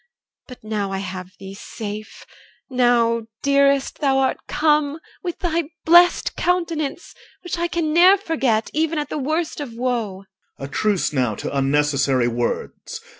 But now I have thee safe; now, dearest, thou art come, With thy blest countenance, which I Can ne'er forget, even at the worst of woe. OR. A truce now to unnecessary words.